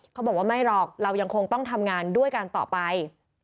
เขาบอกว่าไม่หรอกเรายังคงต้องทำงานด้วยกันต่อไป